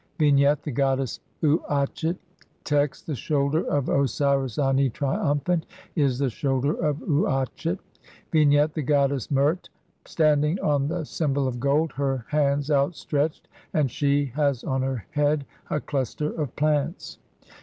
Vignette : The goddess Uatchet. Text : (9) The shoulder of Osiris Ani, triumphant, is the shoulder of Uatchet. Vignette : The goddess Mert standing on the symbol of gold ; her hands are outstretched, and she has on her head a cluster of plants.